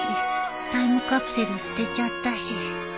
タイムカプセル捨てちゃったし